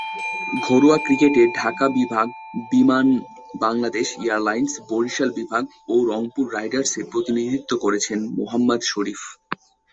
ঘরোয়া ক্রিকেটে ঢাকা বিভাগ, বিমান বাংলাদেশ এয়ারলাইন্স, বরিশাল বিভাগ ও রংপুর রাইডার্সের প্রতিনিধিত্ব করেছেন মোহাম্মদ শরীফ।